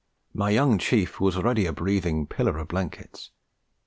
My young chief was already a breathing pillar of blankets.